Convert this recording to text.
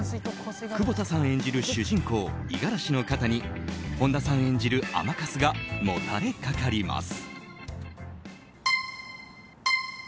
窪田さん演じる主人公・五十嵐の肩に本田さん演じる甘春がもたれかかります。